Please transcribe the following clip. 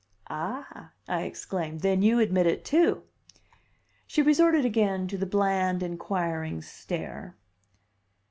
"Ah," I exclaimed. "Then you admit it, too!" She resorted again to the bland, inquiring stare.